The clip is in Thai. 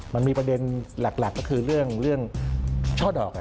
มันมีประเด็นหลักก็คือเรื่องช่อดอก